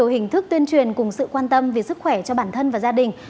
những hình thức tuyên truyền cùng sự quan tâm về sức khỏe cho bản thân và gia đình